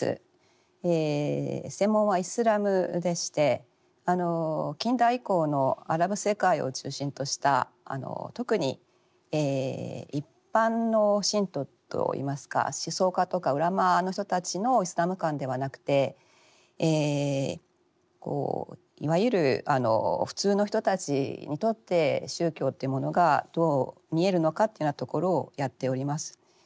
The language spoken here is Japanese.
専門はイスラムでして近代以降のアラブ世界を中心とした特に一般の信徒と言いますか思想家とかウラマーの人たちのイスラム観ではなくていわゆる普通の人たちにとって宗教というものがどう見えるのかというようなところをやっております。